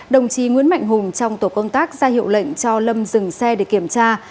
đồng chí nguyễn mạnh hùng trong tổ công tác ra hiệu lệnh cho lâm dừng xe để kiểm tra